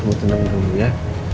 kamu tenang dulu ya